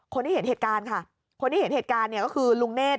คนที่เห็นเหตุการณ์ค่ะคนที่เห็นเหตุการณ์เนี่ยก็คือลุงเนธ